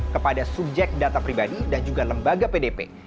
kepada subjek data pribadi dan juga lembaga pdp